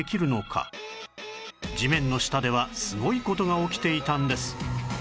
地面の下ではすごい事が起きていたんです